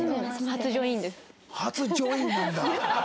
初ジョインなんだ。